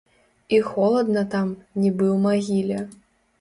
І холадна там, нібы ў магіле.